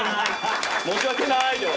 申し訳ない。